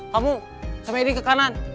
kamu sama edi ke kanan